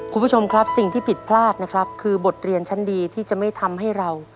คุณผู้ชมครับสิ่งที่ผิดพลาดนะครับคือบทเรียนชั้นดีที่จะไม่ทำให้เรา